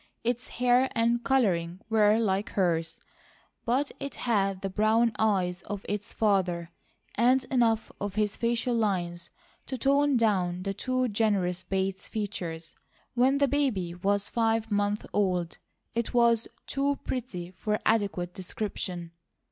Its hair and colouring were like hers, but it had the brown eyes of its father, and enough of his facial lines to tone down the too generous Bates features. When the baby was five months old it was too pretty for adequate description.